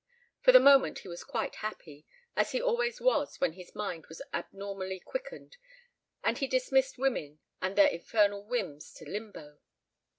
For the moment he was quite happy, as he always was when his mind was abnormally quickened, and he dismissed women and their infernal whims to limbo.